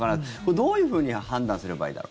どういうふうに判断すればいいだろう？